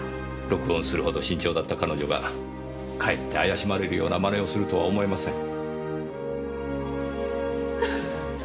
録音するほど慎重だった彼女がかえって怪しまれるような真似をするとは思えません。